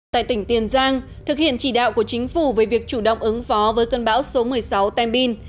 tại tỉnh tiền giang thực hiện chỉ đạo của chính phủ về việc chủ động ứng phó với cơn bão số một mươi sáu tem bin